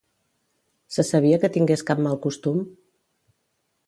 Se sabia que tingués cap mal costum?